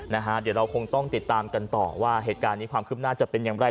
เดี๋ยวเราคงต้องติดตามกันต่อว่าเหตุการณ์นี้ความคืบหน้าจะเป็นอย่างไร